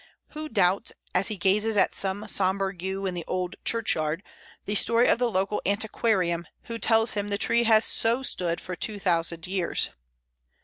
Who doubts, as he gazes at some sombre Yew in the old churchyard, the story of the local antiquarian, who tells him the tree has so stood for 2000 years.